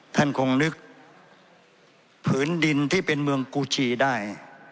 ท่านคงนึกผืนดินที่เป็นเมืองกูชีได้